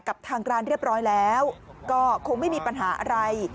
กับทางร้านเรียบร้อยแล้วก็คงไม่มีปัญหาอะไร